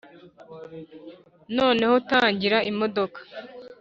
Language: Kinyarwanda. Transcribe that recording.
noneho, tangira imodoka.